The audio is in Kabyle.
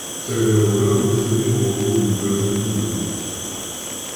Tagrawla ur telli ɣur wid yugaden tugdut.